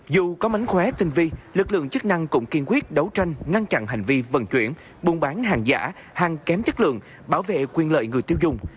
dù có mánh khóe tinh vi lực lượng chức năng cũng kiên quyết đấu tranh ngăn chặn hành vi vận chuyển buôn bán hàng giả hàng kém chất lượng bảo vệ quyền lợi người tiêu dùng